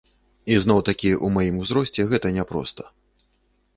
І зноў-такі ў маім узросце гэта няпроста.